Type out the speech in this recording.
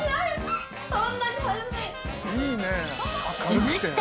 ［いました！